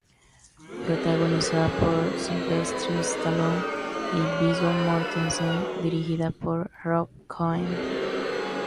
Protagonizada por Sylvester Stallone y Viggo Mortensen, dirigida por Rob Cohen.